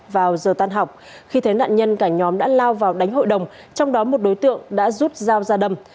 vào giờ tan học khi thấy nạn nhân cả nhóm đã lao vào đánh hội đồng trong đó một đối tượng đã rút dao ra đâm